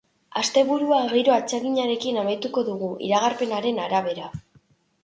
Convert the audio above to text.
Asteburua giro atseginarekin amaituko dugu, iragarpenaren arabera.